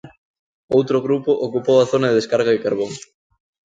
Outro grupo ocupou a zona de descarga de carbón.